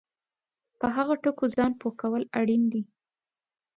په هغو ټکو ځان پوه کول اړین دي